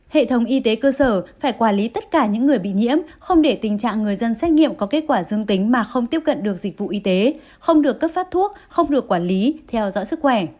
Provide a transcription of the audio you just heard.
hệ thống y tế cơ sở phải quản lý tất cả những người bị nhiễm không để tình trạng người dân xét nghiệm có kết quả dương tính mà không tiếp cận được dịch vụ y tế không được cấp phát thuốc không được quản lý theo dõi sức khỏe